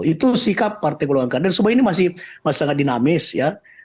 itu sikap partai golkar dan semua ini masih sangat dinamis ya